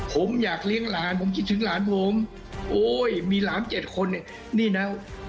ผมอยากเลี้ยงหลานผมคิดถึงหลานผมโอ้ยมีหลานเจ็ดคนเนี่ยนี่นะ